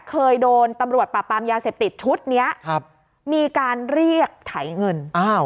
เคยโดนตำรวจประปรามยาเสพติดชุดเนี้ยครับมีการเรียกถ่ายเงินอ้าว